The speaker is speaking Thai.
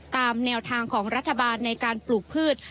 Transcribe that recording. ตามแนวทางของรัฐบาลในการปลูกพืช